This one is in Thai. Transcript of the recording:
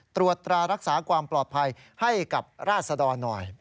ตรวจตรารักษาความปลอดภัยให้กับราศดรหน่อย